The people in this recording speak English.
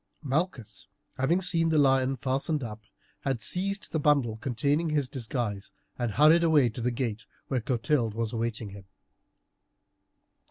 Malchus, having seen the lion fastened up, had seized the bundle containing his disguise, and hurried away to the gate where Clotilde was awaiting him.